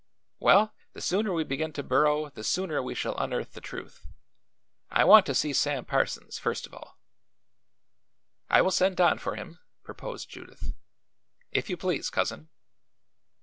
"Well, the sooner we begin to burrow the sooner we shall unearth the truth. I want to see Sam Parsons, first of all." "I will send Don for him," proposed Judith. "If you please, Cousin."